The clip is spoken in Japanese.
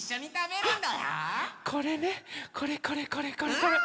これねこれこれこれこれこれ。